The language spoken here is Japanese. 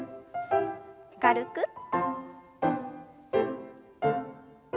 軽く。